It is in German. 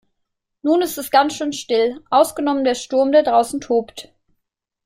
Nun ist es ganz schön still, ausgenommen der Sturm, der draußen tobt.